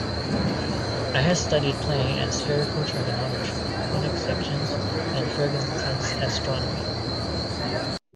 I had studied plane and spherical trigonometry, conic sections, and Fergusson's "Astronomy".